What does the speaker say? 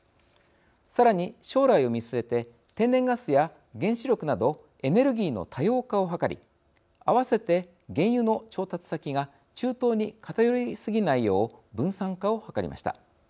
さらに、将来を見据えて天然ガスや原子力などエネルギーの多様化を図り合わせて、原油の調達先が中東に偏りすぎないよう分散化を図りました。